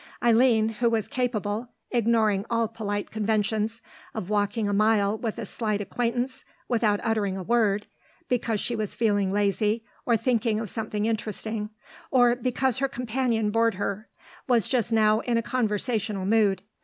Eileen, who was capable, ignoring all polite conventions, of walking a mile with a slight acquaintance without uttering a word, because she was feeling lazy, or thinking of something interesting, or because her companion bored her, was just now in a conversational mood.